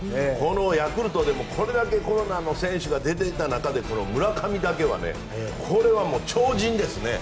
ヤクルトでもこれだけコロナの選手が出ていた中で村上だけは超人ですね。